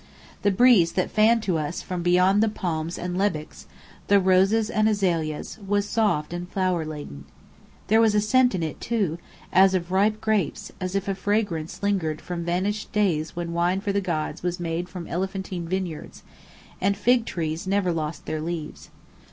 The breeze that fanned to us from beyond the palms and lebbeks, the roses and azaleas, was soft and flower laden. There was a scent in it, too, as of ripe grapes, as if a fragrance lingered from vanished days when wine for the gods was made from Elephantine vineyards, and fig trees never lost their leaves.